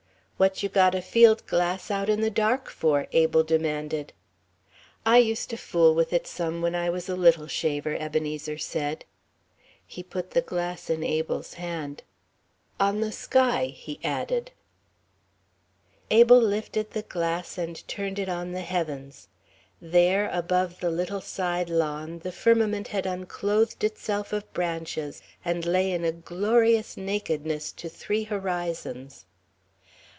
"What you got a field glass out in the dark for?" Abel demanded. "I used to fool with it some when I was a little shaver," Ebenezer said. He put the glass in Abel's hand. "On the sky," he added. Abel lifted the glass and turned it on the heavens. There, above the little side lawn, the firmament had unclothed itself of branches and lay in a glorious nakedness to three horizons.